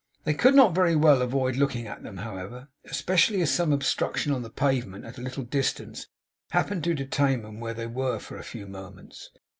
They could not very well avoid looking at them, however, especially as some obstruction on the pavement, at a little distance, happened to detain them where they were for a few moments.